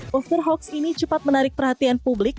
poster hoaks ini cepat menarik perhatian publik